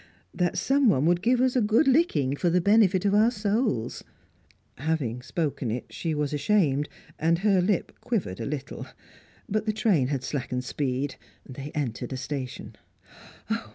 That someone would give us a good licking, for the benefit of our souls." Having spoken it, she was ashamed, and her lip quivered a little. But the train had slackened speed; they entered a station.